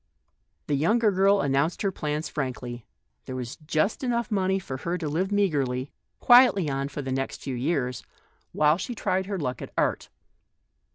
The younger girl announced her plans frankly. There was just enough money for her to live meagrely, quietly for the next few years, while she tried her luck at art.